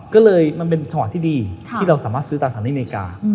ก็เลยมันเป็นชอตที่ดีที่เราสามารถซื้อตาสารอเมริกา